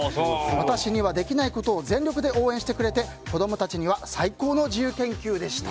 私にはできないことを全力で応援してくれて子供たちにはいいですね。